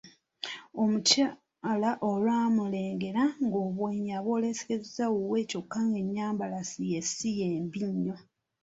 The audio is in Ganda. Omukyala olwamulengera ng'obwenyi abwolesezza wuwe kyokka ng'ennyambala ye si ye mbi nnyo.